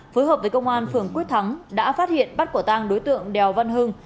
phối hợp với công an phường quyết thắng đã phát hiện bắt quả tang đối tượng đèo văn hưng